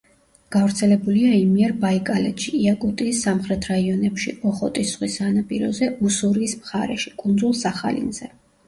გავრცელებულია იმიერბაიკალეთში, იაკუტიის სამხრეთ რაიონებში, ოხოტის ზღვის სანაპიროზე, უსურიის მხარეში, კუნძულ სახალინზე.